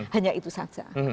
hanya itu saja